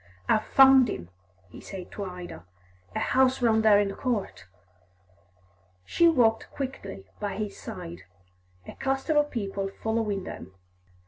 "I've found him," he said to Ida. "A house round there in the court." She walked quickly by his side, a cluster of people following them.